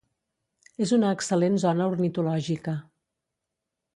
És una excel·lent zona ornitològica.